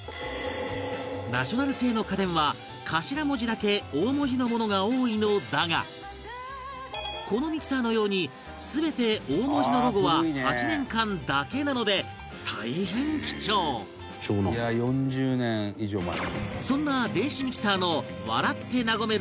ナショナル製の家電は頭文字だけ大文字のものが多いのだがこのミキサーのように全て大文字のロゴは８年間だけなので、大変貴重伊達：４０年以上前。